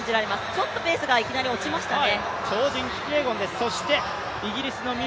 ちょっとペースがいきなり落ちましたね。